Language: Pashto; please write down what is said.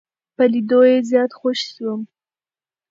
په لیدو یې زیات خوښ شوم.